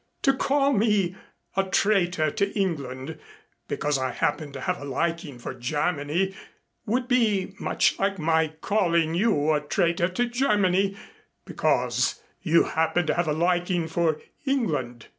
To call me a traitor to England because I happen to have a liking for Germany would be much like my calling you a traitor to Germany because you happen to have a liking for England."